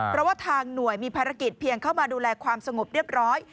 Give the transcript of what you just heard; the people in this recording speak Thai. เพราะว่าทางหน่วยมีภารกิจเพียงเข้ามาดูแลความสงบเรียบร้อย